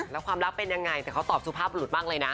แล้วความรักเป็นยังไงแต่เขาตอบสุภาพหลุดมากเลยนะ